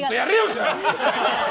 じゃあ。